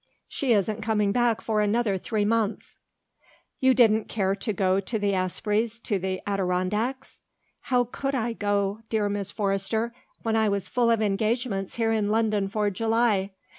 She isn't coming back for another three months." "You didn't care to go with the Aspreys to the Adirondacks?" "How could I go, dear Mrs. Forrester, when I was full of engagements here in London for July?